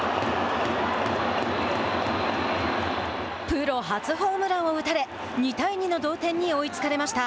プロ初ホームランを打たれ２対２の同点に追いつかれました。